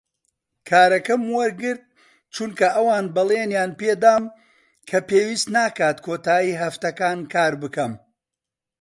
کارەکەم وەرگرت چونکە ئەوان بەڵێنیان پێ دام کە پێویست ناکات کۆتایی هەفتەکان کار بکەم.